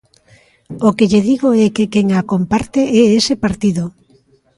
O que lle digo é que quen a comparte é ese partido.